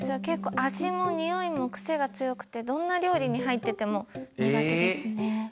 結構味もにおいもクセが強くてどんな料理に入ってても苦手ですね。